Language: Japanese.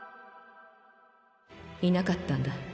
いなかったんだ。